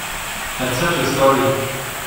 Let's have your story.